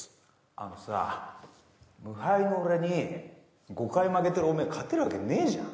あのさ無敗の俺に５回負けてるおめえ勝てるわけねえじゃん